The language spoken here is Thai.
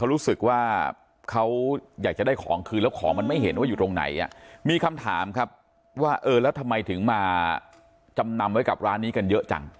รู้สึกว่าเขาอยากจะได้ของคืนแล้วของมันไม่เห็นว่าอยู่ตรงไหนอ่ะมีคำถามครับว่าเออแล้วทำไมถึงมาจำนำไว้กับร้านนี้กันเยอะจัง